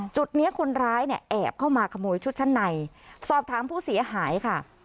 จุดนี้คนร้ายเนี่ยแอบเข้ามาขโมยชุดชั้นในสอบถามผู้เสียหายค่ะ